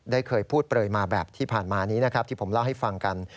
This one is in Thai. เคยพูดเปลยมาแบบที่ผ่านมานี้นะครับที่ผมเล่าให้ฟังกัน